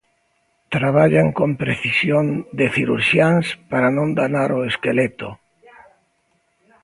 Traballan con precisión de cirurxiáns para non danar o esqueleto.